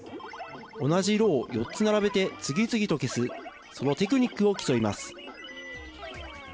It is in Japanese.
同じ色を４つ並べて次々と消すそのテクニックを競います。